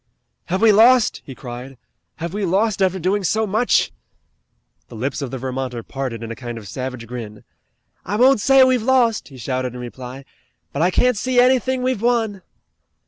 "Have we lost?" he cried. "Have we lost after doing so much?" The lips of the Vermonter parted in a kind of savage grin. "I won't say we've lost," he shouted in reply, "but I can't see anything we've won."